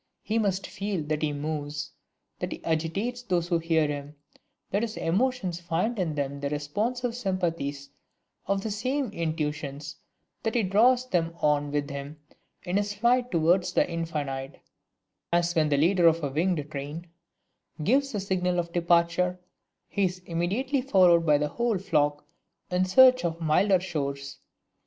He must FEEL that he moves, that he agitates those who hear him, that his emotions find in them the responsive sympathies of the same intuitions, that he draws them on with him in his flight towards the infinite: as when the leader of a winged train gives the signal of departure, he is immediately followed by the whole flock in search of milder shores.